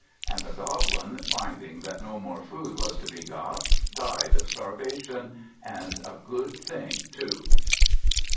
And the Goblin, finding that no more food was to be got, died of starvation; and a good thing too.